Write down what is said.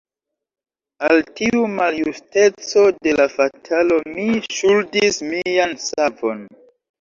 Al tiu maljusteco de la fatalo mi ŝuldis mian savon.